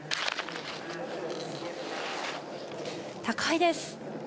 高いです。